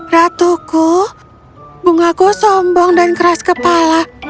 ratuku bungaku sombong dan keras kepala